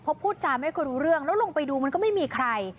เพราะพูดจาไม่ค่อยรู้เรื่องแล้วลงไปดูมันก็ไม่มีใคร